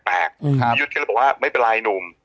พี่ยุทธ์ก็เลยบอกว่าไม่เป็นไรหนุ่ม